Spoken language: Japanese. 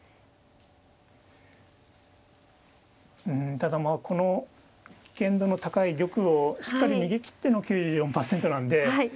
ただまあこの危険度の高い玉をしっかり逃げきっての９４％なんで。